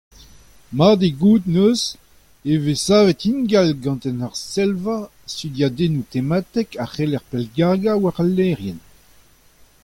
Mat eo gouzout neuze e vez savet ingal gant an Arsellva studiadennoù tematek a c’heller pellgargañ war al lec'hienn.